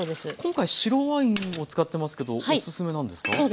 今回白ワインを使ってますけどおすすめなんですか？